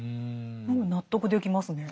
納得できますね。